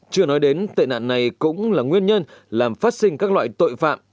chưa nói đến tệ nạn này cũng là nguyên nhân làm phát sinh các loại tội phạm